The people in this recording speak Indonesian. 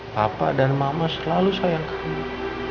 papa dan mama selalu sayang kamu